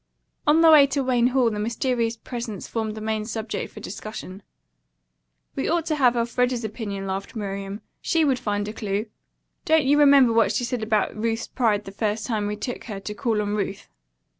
On the way to Wayne Hall, the mysterious presents formed the main subject for discussion. "We ought to have Elfreda's opinion," laughed Miriam. "She would find a clue. Don't you remember what she said about Ruth's pride the first time we took her to call on Ruth?"